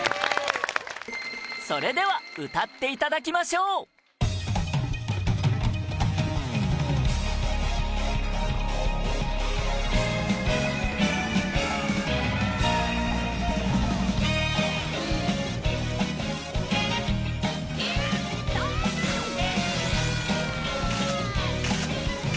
それでは歌っていただきましょうみんなで！